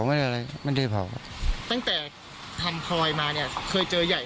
ตั้งแต่ทันพลอยมาเนี่ยเคยเจอใหญ่ข้างนี้มั้ย